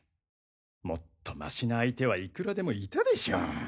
もっとましな相手はいくらでもいたでしょう？